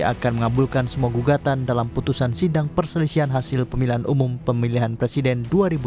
akan mengabulkan semua gugatan dalam putusan sidang perselisihan hasil pemilihan umum pemilihan presiden dua ribu sembilan belas